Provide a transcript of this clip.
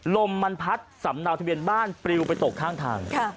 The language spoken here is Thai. ลมมันพัดสำเนาทะเบียนบ้านปลิวไปตกข้างทาง